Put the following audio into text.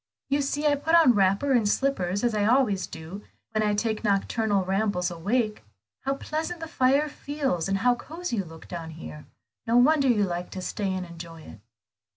You see I put on wrapper and slippers as I always do, when I take nocturnal rambles awake. How pleasant the fire feels, and how cosy you look here; no wonder you like to stay and enjoy it."